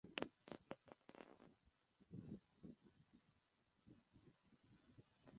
তবে, পরের মৌসুমেই খেলার জগৎ থেকে অবসর গ্রহণ করেন তিনি।